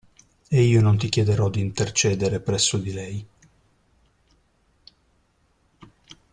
E io non ti chiederò d'intercedere presso di lei.